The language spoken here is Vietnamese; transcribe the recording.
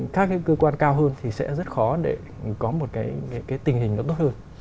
các cơ quan cao hơn thì sẽ rất khó để có một cái tình hình tốt hơn